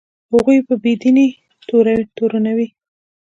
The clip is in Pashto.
هغوی په بې دینۍ تورنوي.